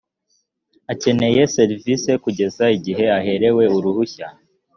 akeneye serivisi kugeza igihe aherewe uruhushya